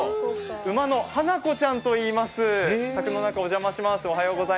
馬の花子ちゃんといいます。